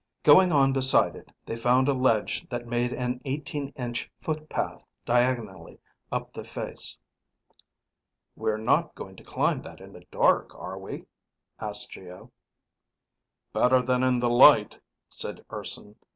Going on beside it, they found a ledge that made an eighteen inch footpath diagonally up the face. "We're not going to climb that in the dark, are we?" asked Geo. "Better than in the light," said Urson.